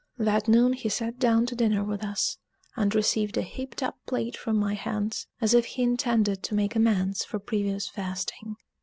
That noon he sat down to dinner with us, and received a heaped up plate from my hands, as if he intended to make amends for previous fasting.